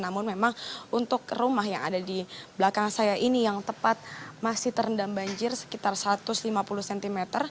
namun memang untuk rumah yang ada di belakang saya ini yang tepat masih terendam banjir sekitar satu ratus lima puluh cm